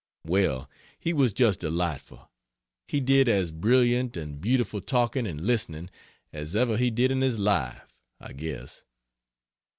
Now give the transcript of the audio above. Well, he was just delightful! He did as brilliant and beautiful talking (and listening) as ever he did in his life, I guess.